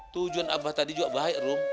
tujuan abah tadi juga baik rum